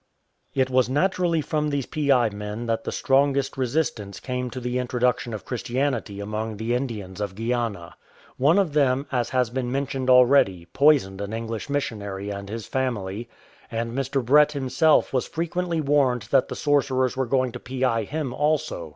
It was naturally from these piai men that the strongest resistance came to the introduction of Christianity among the Indians of Guiana. One of them, as has been men tioned already, poisoned an English missionary and his family ; and Mr. Brett himself was frequently warned that the sorcerers were going to piai him also.